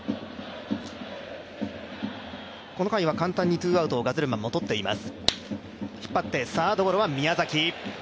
この回は、簡単にツーアウトをガゼルマンもとっています。